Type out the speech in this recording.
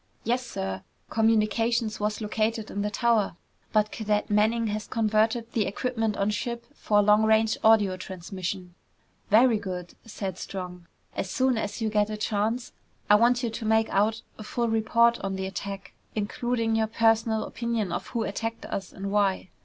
"Yes, sir. Communications was located in the tower, but Cadet Manning has converted the equipment on ship for long range audio transmission." "Very good!" said Strong. "As soon as you get a chance, I want you to make out a full report on the attack, including your personal opinion of who attacked us and why."